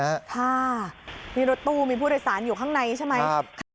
ค่ะนี่รถตู้มีผู้โดยสารอยู่ข้างในใช่ไหม